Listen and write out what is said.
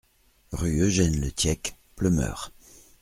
Rue Eugène Le Thiec, Ploemeur